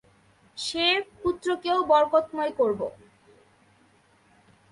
সে পুত্রকেও বরকতময় করব।